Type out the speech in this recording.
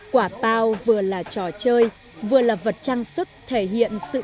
quả bao vừa là trò chơi vừa là vật trang sức thể hiện sự tốt